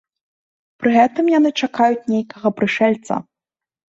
Пры гэтым яны чакаюць нейкага прышэльца.